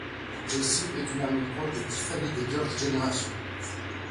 Jessi est une amie proche de Tiffany des Girls' Generation.